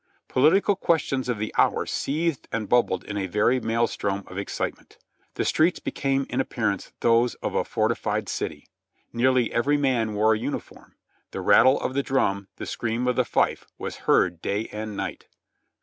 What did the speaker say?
Political questions of the hour seethed and bubbled in a very maelstrom of excitement ; the streets became in appearance those of a fortified city. Nearly ever} man wore a uniform ; the rattle of the drum, the scream of the fife was heard day and night.